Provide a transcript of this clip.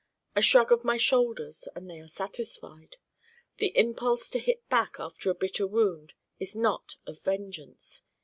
A shrug of my shoulders and they are satisfied. The impulse to hit back after a bitter wound is not of vengeance.